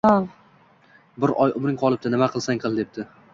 Bir oy umring qolibdi, nima qilsang qil, debdi